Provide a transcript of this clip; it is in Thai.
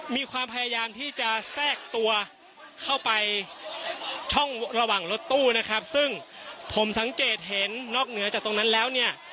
มีความพยายามที่จะแทรกตัวเข้าไปช่องระหว่างรถตู้นะครับซึ่งผมสังเกตเห็นนอกเหนือจากตรงนั้นแล้วเนี่ย